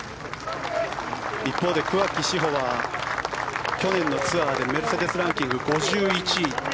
一方で桑木志帆は去年のツアーでメルセデス・ランキング５１位。